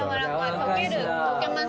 溶けます！」